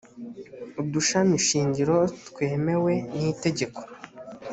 udushami shingiro twemewe n itegeko